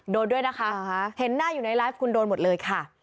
โดนด้วยนะคะเห็นหน้าอยู่ในไลฟ์คุณโดนหมดเลยค่ะ